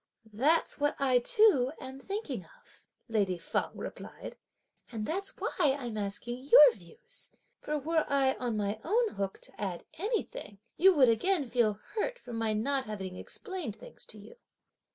"That's what I too am thinking of," lady Feng replied, "and that's why I'm asking your views; for were I, on my own hook, to add anything you would again feel hurt for my not have explained things to you."